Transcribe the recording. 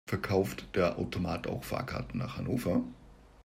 Verkauft der Automat auch Fahrkarten nach Hannover?